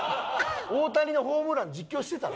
大谷のホームラン実況してたで。